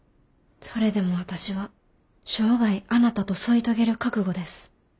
それでも私は生涯あなたと添い遂げる覚悟です。